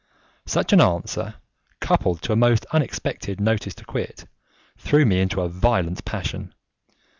Such an answer, coupled to a most unexpected notice to quit, threw me into a violent passion.